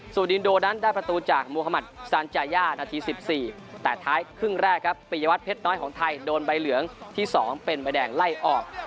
ส่วนอินโดนั้นได้ประตูจากมุธมัติซานจาย่านาที๑๔แต่ท้ายครึ่งแรกครับปียวัตรเพชรน้อยของไทยโดนใบเหลืองที่๒เป็นใบแดงไล่ออก